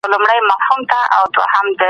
حکومت باید د خلګو اقتصادي ستونزي حل کړي.